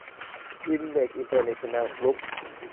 อินเด็กซ์ อินเตอร์เนชั่นแนล กรุ๊ป